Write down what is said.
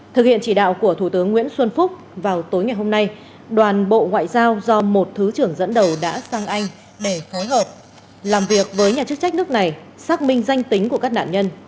thực hiện chỉ đạo của thủ tướng nguyễn xuân phúc vào tối ngày hôm nay đoàn bộ ngoại giao do một thứ trưởng dẫn đầu đã sang anh để phối hợp làm việc với nhà chức trách nước này xác minh danh tính của các nạn nhân